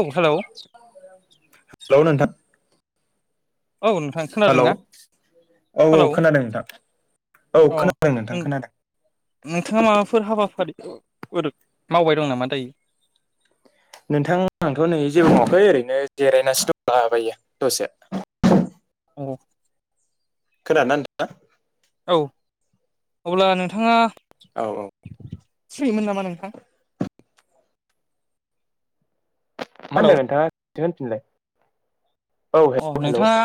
औ hello. Hello नोंथां। औ नोंथां खोनादों हेलौ ना औ हेलौ। औ खोनादों नोंथां औ अ खोनादों नोंथां नों खोनादों नोंथाङा माबाफोर हाबा फोर मावबाय दं नामा दायो? नोंथां आंथ' नै जेबो मावाखै ओरैनो जिरायनानैसो दंला बायो दसे। औ खोनादोंना नोंथांआ? औ अब्ला नोंथाङा औ औ। सिरिमोन नामा नोंथां? मा हेलौ होनदों नोंथांङा खनसे होनफिनलाय। औ अ हेलौ हेलौ नोंथाङा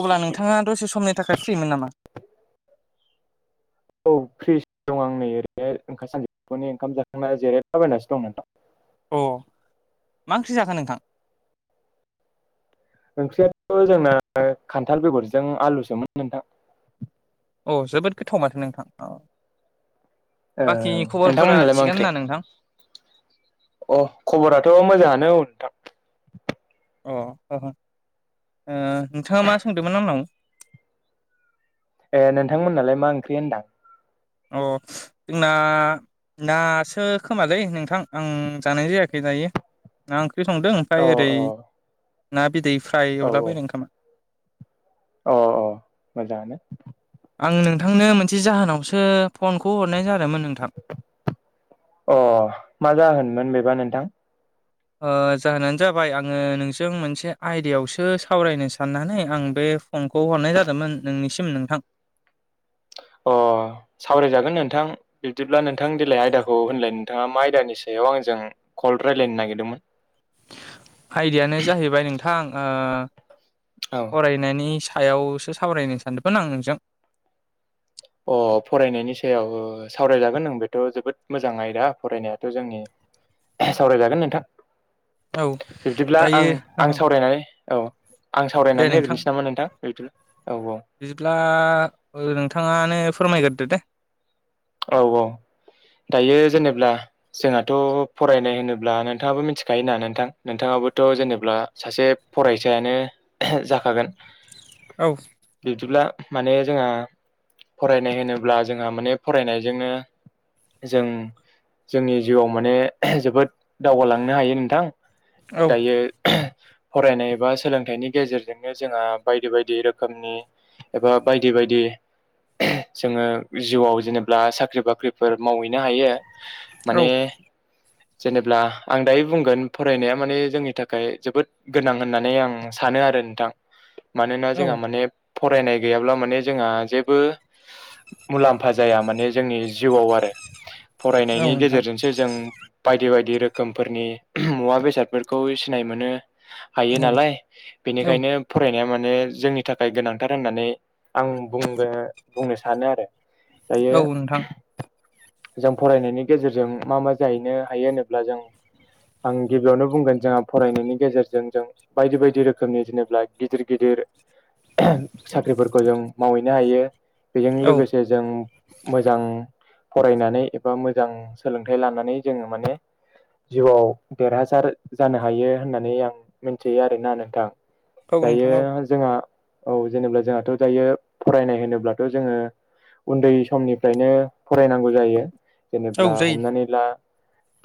अब्ला नोंथाङा दसे समनि थाखाय फ्रिमोन नामा? औ फ्रि दं आं नै ओरैनो ओंखाम सानजौफुनि ओंखाम जाखांना जेरायला बायनासो दं नोंथां। अ मा ओंख्रि जाखो नोंथां? ओंख्रियाथ' जोंना खान्थाल बेगरजों आलुसोमोन नोंथां। औ जोबोद गोथाव माथो नोंथां औ। बाखि ओ नोंथां खबरफोरा मोननालाय मा थिगानो ओंख्रि? ना नोंथां अ खबराथ' मोजाङानो औ नोंथां अ नोंथाङा मा सोंदोंमोन आंनाव ए नोंथां मोननालाय मा ओंख्रि होनदां अ जोंना नासो खोमालै नोंथां आं जानाय जायाखै दायो आं ओंख्रि संदों अ ओमफ्राय ओरै अ ना बिदै फ्राय एवलाबायायदों खोमा अ-अ मोजाङानो आं नोंथांनो मोनसे जाहोनावसो फनखौ हरनाय जादों अ मा जाहोनमोन बेबा नोंथां? ओ जाहोनानो जाबाय आङो नोंजों मोनसे आयदायावसो सावरायनो साननानै आं बे बे फनखौ हरनाय जादोंमोन नोंनिसिम नोंथां। अ सावरायजागोन नोंथां। बिब्दिब्ला नोंथां देेलाय आयदाखौ होनलाय नोंथाङा मा आयदानि सायाव बेयाव आंजों कल रायज्लायनो नागिरदोंमोन आयडायानो जाहैबाय नोंथां औ ओ फरायनायनि सायावसो सावरायनो सानदोंमोन आं नोंजों अ फरायनायनि सायाव ओ सावरायजागोन नों बेथ' जोबोद मोजां आयदा फरायनायाथ' जोंनि सावरायजागोन नोंथां। औ बिब्दिब्ला दायो औ आं-आं सावरायनानै औ आं दे सावरायनानै नोंथां होग्रोनोसै नामा नोंथां? [unintelligible] औ-औ बिदिब्ला ओ-नोंथाङानो फोरमायग्रोदो दे औ-औ दायो जेनेब्ला जोंहाथ' फरायनाय होनोब्ला नोंथाङाबो मिथिखायोना नोंथां नोंथाङा बोथ' जेनेब्ला सासे फरायसायानो [unintelligible] जाखागोन औ बिबदिब्ला माने जोंहा फरायनाय होनोब्ला जोंहा माने फरायनायजोंनो जों जोंनि जिउआव माने [unintelligible] जोबोद दावगालांनो हायो नोंथां औ दायो [unintelligible] फरायनाय बा सोलोंथाइनि गेजेरजोंनो जोंहा बायदि बायदि रोखोमनि एबा बायदि बायदि जोङो जिउआव जेनेबा साख्रि बाख्रिफोर मावहैनो हायो औ माने जेनेब्ला आं दायो बुंगोन फरायनाया माने जोंनि थाखाय जोबोद गोनां होननानै आं सानो आरो आरो नोंथां [inaudible] मानोना जोंहा माने फरायनाय गैयाब्ला माने जोंहा जेबो [unintelligible] माने जोंनि जिउआव आरो औ फरायनायनि नोंथां गेजेरजोंसो जों बायदि बायदि रोखोमफोरनि मुवा बेसादफोरखौ सिनाय मोनो हायो औ नालाय औ बेनिखायनो फरायनाया [unintelligible] माने जोंनि थाखाय गोनांथार होननानै आं बुंनो-बुंनो सानो आरो। दायो औ नोंथां जों फरायनायनि गेजेरजों मा मा जाहैनो हायो होनोब्ला जों आं गिबियावनो बुंगोन जोंहा फरायनायनि गेजेरजों जों बायदि बायदि रोखोमनि जेनेबा गिदिर गिदिर साख्रिफोरखौ जों मावहैनो हायो बेजों औ लोगोसे जों मोजां फरायनानै एबा मोजां सोलोंथाइ लानानै जोङो माने जिउआव देरहासार जानो हायो होननानै आं मिथियो आरोना नोंथां। औ दायो नोंथां औ जोंहा औ जेनेबा जोंहाथ' दायो फरायनाय होनोब्लाथ' जोङो उन्दै समनिफ्रायनो फरायनांगौ जायो जेनेब्ला औ जायो हमनानै ला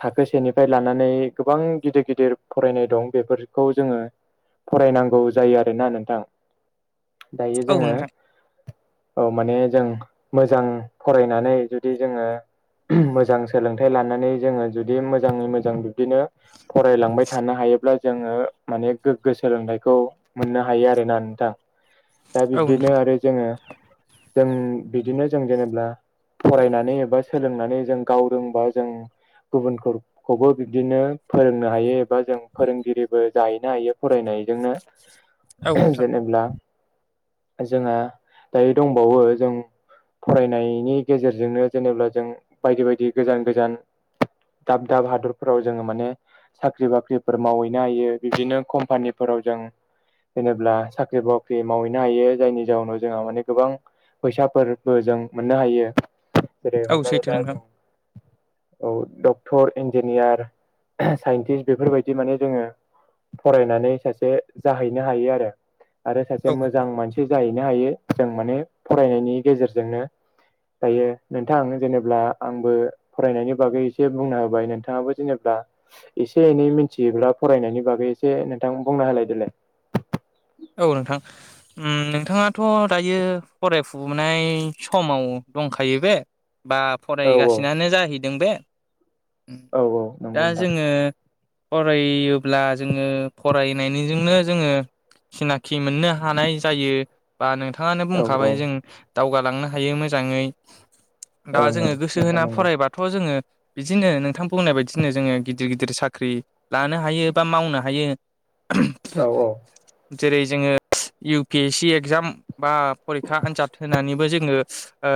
थाखो सेनिफ्राय लानानै गोबां गिदिर गिदिर फरायनाय दं बेफोरखौ जोङो फरायनांगौ जायो आरोना नोंथां। दायो औ जोङो नोंथां औ माने जों मोजां फरायनानै जुदि जोङो मोजां सोलोंथाइ लानानै जोंङो जुदि मोजाङै मोजां बिब्दिनो फरायलांबाय थानो हायो हायोब्ला जोंङो माने गोग्गो सोलोंथाइखौ मोननो हायो आरोना नोंथां। [inaudible] दा बिब्दिनो नोंथां आरो जोंङो जों बिदिनो जों जेनेबा [unintelligible] फरायनानै एबा सोलोंनानै जों गाव रोंबा जों गुबुनफोरखौबो बिब्दिनो फोरोंनो हायो। बा जों फोरोंगिरिबो जाहैनो हायो फरायनायजोंनो औ नोंथां जेनेब्ला जोंहा दायो दंबावो जों फरायनायनि गेजेरजोंनो जेनेब्ला जों बायदि बायदि गोजान गोजान दाब दाब हादरफोराव जोंङो माने साख्रि बाख्रिफोर मावहैनो हायो। बिदिनो कम्पानिफोर आव जों जेनेब्ला साख्रि बाख्रि मावहैनो हायो जायनि जाउनाव जोंहा माने गोबां फैसाफोर बो जों मोननो हायो। जेरै औ हमना सैथो ला नोंथां जों औ डक्टर इन्जिनियार साइन्टिस्ट बेफोरबायदि माने जोंङो फरायनानै सासे जाहैनो हायो आरो। आरो औ सासे मोजां नोंथां मानसि जाहैनो हायो। जों माने फरायनायनि गेजेरजोंनो दायो नोंथां जेनेब्ला आंबो फरायनायनि बागै एसे बुंना होबाय नोंथाङाबो जेनेब्ला एसे एनै मिथियोब्ला फरायनायनि बागै एसे नोंथां बुंना होलायदोलाय [inaudible] औ नोंथां। उम नोंथाङाथ' दायो फरायफुनाय समाव दंखायो बे बा औ औ फरायगासिनानो जाहैदों बे औ औ दा नंगौ नोंथां जोंङो फरायोब्ला जोंङो फरायनायनिजोंनो जोंङो सिनाखि मोननो हानाय जायो बा नोंथाङानो औ औ बुंखाबाय जों दावगालांनो हायो मोजाङै दा ओं ओं जोंङो गोसो नोंथां होना नंगौ फरायबाथ' जोंङो बिदिनो नोंथां बुंनाय बायदिनो जोंङो गिदिर गिदिर साख्रि लानो हायो बा मावनो हायो। औ औ जेरै जोंङो U P S C exam बा फरिखा आनजाद होनानैबो जों जोंङो ओ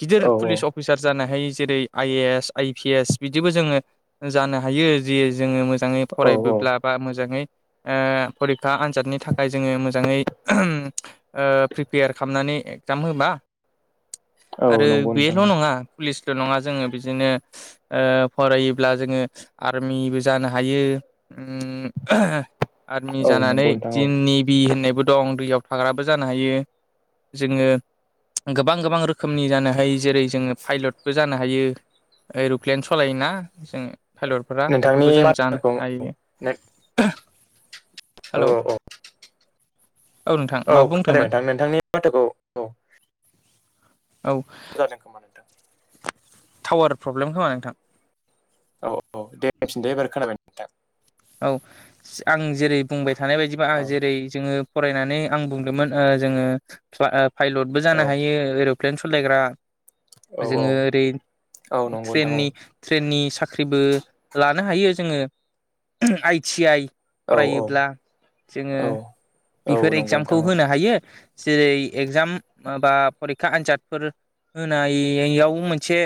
गिदिर औ पुलिस अफिसार जानो हायो। जेरै I A S I P S बिदिबो जोंङो जानो हायो जि जोंङो मोजाङै औ औ फरायबोब्ला बा मोजाङै ओ फरिखा आनजादनि थाखाय जोंङो मोजाङै ओ प्रिपेयार खालामनानै एक्जाम होबा। औ आरो नंगौ नोंथां बेल' औ नङा पुलिस नङा जोङो बिदिनो ओ फरायोब्ला जोंङो आर्मिबो जानो हायो। उम आर्मि औ जानानै नंगौ नोंथां औ दिन नेभि होननाय दं दैयाव थाग्राबो जानो हायो। जोंङो गोबां गोबां रोखोमनि जानो हायो। जेरै जोंङो पायलटबो जानो हायो। एर'प्लेन सलायोना जोंङो फाइलतफोरा नोंथांनि बेखौबो जों जानो बाथ्राखौ औ हायो। अ हेलौ अ नोंथां औ माबा खोनादों बुंदोंमोन नोंथां नोंथांनि माथोखौ औ औ जादों खोमा नोंथां टावार प्रब्लेम खोमा नोंथां औ औ देफिनदै एबार खोनाबाय नोंथां औ आं जेरै बुंबाय थानाय बायदिबा ओ औ जेरै जोंङो फरायनानै आं बुंदोंमोन ओ जोंङो फा-पाइलदबो औ जानो हायो एर' प्लेन सलायग्रा। औ औ जोंङो ओरै औ नंगौ नोंथां ट्रेननि ट्रेननि साख्रिबो लानो हायो जोंङो आइ टि आइ औ औ फरायोब्ला जोऔङो औ औ बेफोर नंगौ एगजामखौ नोंथां औ होनो हायो। जेरै एगजाम बा फरिखा आन्जादफोर होनायाव मोनसे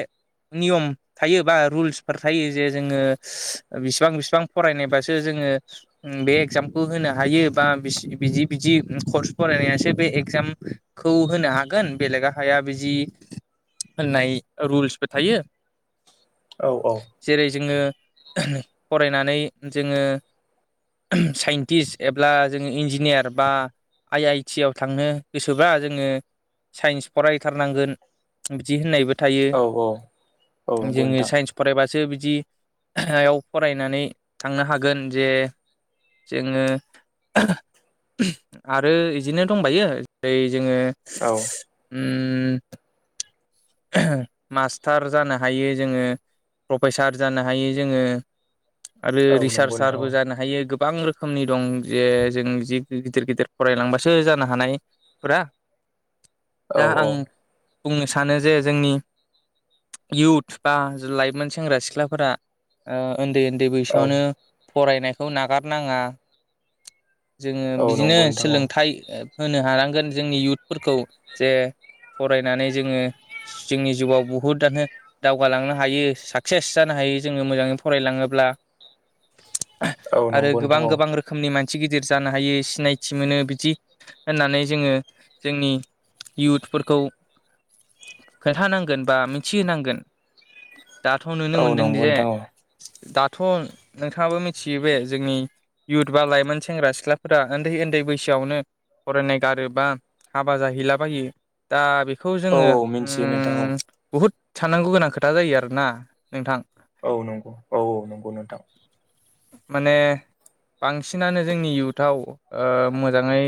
नियम थायो बा रुल्सफोर थायो जे जोङो बिसिबां बिसिबां फरायनायबासो जोङो उ बे एगजामखौ होनो हायो बा बिस-बिदि बिदि कर्स फरायनासो बे एगजाम खौ होनो हागोन बेलेग हाया बिदि होननाय रुल्सबो थायो। औ जेरै जोङो फरायनानै जोङो साइन्टिस्ट एब्ला जोङो इन्जिनियार बा आइ-आइ टि आव थांनो गोसोबा जोङो साइन्स फरायथारनांगोन बिदि होननायबो थायो औ औ औ नंगौ जोङो नोंथां साइन्स फरायबासो ब बिदियाव फरायनानै थांनो हागोन जे जोङो आरो बिदिनो दंबायो जोङो औ ओम ओहो मास्टार जानो हायो जोङो प्रफेसार जानो हायो जोङो आरो औ नंगौ नोंथां रिसार्चसारबो औ जानो हायो गोब बां रोखोमनि दं जे जों जि गिदिर गिदिर फरायलांबासो जानो हानायफोरा औ दा आं बुंनो सानो जे जोंनि इउथ बा लाइमोन सेंग्रा सिख्लाफोरा ओ उन्दै-उन्दै औ बैसोआवनो फरायनायखौ नागारनाङा जोङो औ बिदिनो नंगौ नोंथां औ सोलोंथाइ ओ होनो हानांगोन जोंनि इयउथफोरखौ जे फरायनानै जोङो जोंनि जिउआव बहुदआनो दावगालांनो हायो साक्सेस जानो हायो जोङो मोजाङै फरायलाङोब्ला औ आरो नंगौ गोबां नोंथां औ गोबां रोखोमनि मान सि गिदिर जानो हायो सिनायथि मोनो बिदि होननानै जोङो जोंनि इउथफोरखौ खोन्थानांगोन बा मिथिहोनांगोन दाथ' नुनो औ मोनदों नंगौ जे नोंथां औ दाथ' नोंथाङाबो मिथियो बे जोंनि इउथ बा लाइमोन सेंग्रा सिख्लाफोरा उन्दै उन्दै बैसोआवनो फरायनाय गारोब्ला हाबा जाहैलाबायो दा बेखौ औ जोङो औ मिथियो नोंथां औ। उम बहुद साननांगौ गोनां खोथा जायो आरोना नोंथां। औ नंगौ औ औ नंगौ नोंथां। माने बांसिनानो जोंनि इउथाव ओ मोजाङै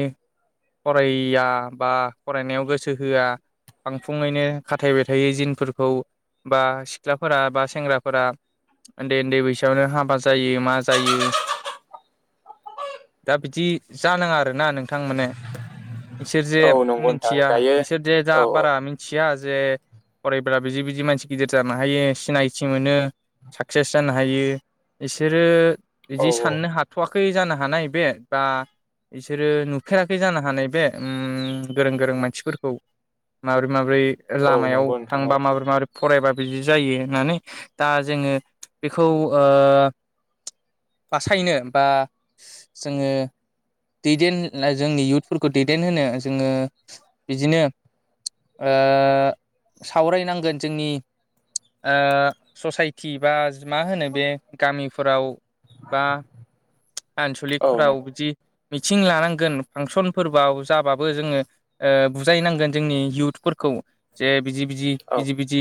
फरायया बा फरायनायाव गोसो होआ बां फुङैनो खाथायबाय थायो जिनफोरखौ बा सिख्लाफोरा बा सेंग्राफोरा उन्दै-उन्दै बैसोआवनो हाबा जायो मा जायो दा बिदि जानाङा आरोना नोंथां माने। इसोर जे औ नंगौ नोंथां मिथिया दायो इसोर जे दा औ बारा मिथिया जे फरायबा बिदि बिदि मानसि गिदिर जानो हायो सिनायथि मोनो साकसेस जानो हायो। बिसोरो औ बिदि साननो औ हाथ'वाखै जानो हानाय बे बा बिसोरो नुफेराखै जानो हानाय बे ओम गोरों गोरों मानसिफोरखौ माबोरै माबोरै औ लामायाव नंगौ नोंथां औ थांबा माबोरै-माबोरै फरायबा बिदि जायो होननानै दा जोङो बेखौ ओ बासायनो बा जोङो दैदेन जोंनि इयउथफोरखौ दैदेनहोनो जोङो बिदिनो ओ सावरायनांगोन जोंनि ओ ससायटि बा मा होनो बे गामिफोराव बा औ आनसलिकफोराव नंगौ बिदि मिथिं लानांगोन फांसनफोरबोआव जाबाबो जोङो बुजायनांगोन जोंनि इयउथ फोरखौ जे बिदि बिदि औ बिदि बिदि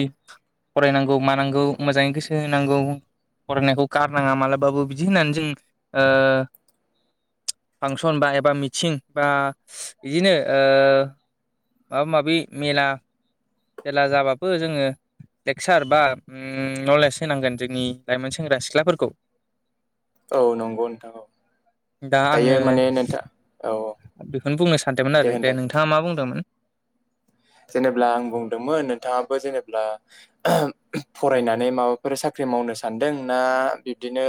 फरायनांगौ मानांगौ मोजाङै गोसो होनांगौ। फरायनायखौ गारनाङा मालाबाबो बिदि होननानै जों ओ फांसन बा एबा मिथिं बा बिदिनो ओ माबा माबि मेला खेला जाबाबो जोङो लेक्सार बा नलेज होनांगोन जोंनि लाइमोन सेंग्रा सिख्लाफोरखौ। औ नंगौ नोंथां औ दा दायो आङो माने नोंथां औ औ। बेखौनो बुंनो सानदोंमोन आरो दे नोंथाङा मा बुंदोंमोन। जेनेब्ला आं बुंदोंमोन नोंथाङाबो जेनेब्ला फरायनानै माबाफोर साख्रि मावनो सानदों ना बिब्दिनो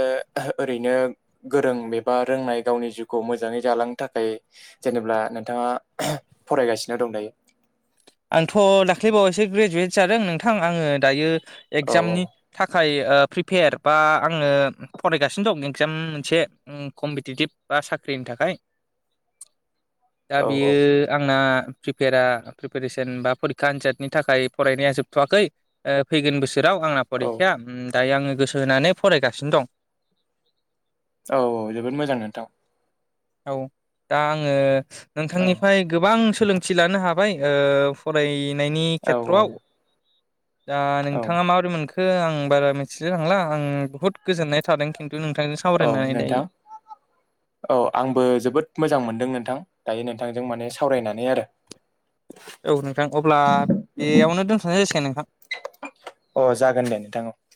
ओरैनो गोरों एबा रोंनाय गावनि ज खौ मोजाङै जालांनो थाखाय जेनेबब्ला नोंथाङा फरायगासिनो दं दायो [inaudible] आंथ' दाख्लैबावैससे ग्रेजुवेट जादों नोंथां आङो दायो औ एगजामनि थाखाय ओ प्रिपेयार बा आङो फरायगासिनो दं एगजाम मोनसे कम्पिटिटिभ बा साख्रि नि थाखाय दा औ बियो औ आंना प्रिपयारा रिसेन बा फरिखा आनादनि थाखाय फरायनाया जोबथ'वाखै ओ फैगोन बोसोर राव आंना औ फरिखाया दायो आङो गोसो होनानै फरायगासिनो दं औ औ जोबोद मोजां नोंथां औ दा आङो औ नोंथांनिफ्राय गोबां सोलोंथि लानो हाबाय ओ फरायनायनि औ औ खेथ्रआव दा औ नोंथाङा माबोरै मोनखो आं बारा मिथिलाय थांला आं बुहुत गोजोननाय थादों खिन्थु। नोंथांजों औ सावरायनानै नोंथां दायो औ आंबो जोब जोबोद मोजां मोनदों नोंथां दायो नोंथांजों माने सावरायनानै आरो औ नोंथां अब्ला बेयावनो दोनथ'नाय जासिगोन नोंथां अ जागोन दे नोंथां